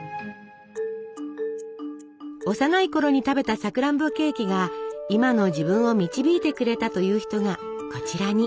幼いころに食べたさくらんぼケーキが今の自分を導いてくれたという人がこちらに。